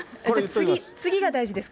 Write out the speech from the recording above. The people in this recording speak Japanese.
次大事ですか？